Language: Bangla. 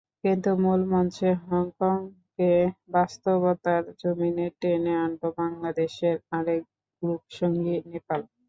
কিন্তু মূল মঞ্চে হংকংকে বাস্তবতার জমিনে টেনে আনল বাংলাদেশের আরেক গ্রুপসঙ্গী নেপাল।